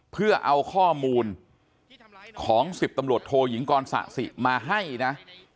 เพื่อเอาข้อมูลของ๑๐ตำรวจโทยิงกรสะสิมาให้นะ